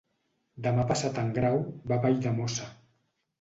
Demà passat en Grau va a Valldemossa.